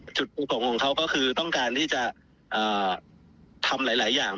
อันหน้ากล่องเขาก็คือต้องการที่จะทำหลายอย่าง